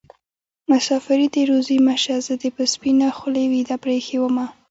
مسافري دې روزي مه شه زه دې په سپينه خولې ويده پرې ايښې ومه